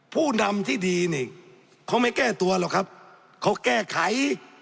ผู้นำที่ดีนี่เขาไม่แก้ตัวหรอกครับเขาแก้ไข